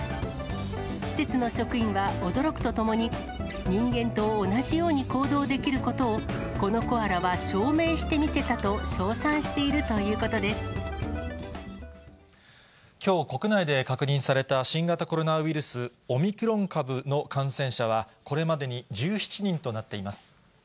施設の職員は驚くとともに、人間と同じように行動できることをこのコアラは証明してみせたときょう、国内で確認された新型コロナウイルス、オミクロン株の感染者は、これまでに１７人となっています。